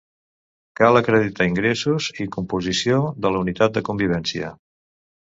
Cal acreditar ingressos i composició de la unitat de convivència.